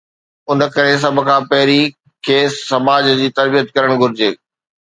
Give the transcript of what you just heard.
ان ڪري سڀ کان پهرين کيس سماج جي تربيت ڪرڻ گهرجي.